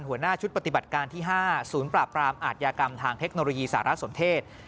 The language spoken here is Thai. หัวหน้าชุดปฏิบัติการที่๕ศูนย์ปราบปรามอาทยากรรมทางเทคโนโลยีสารสนเทศ